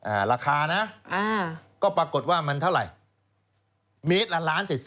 ราคานะอ่าก็ปรากฏว่ามันเท่าไหร่เมตรละล้านเศษสิ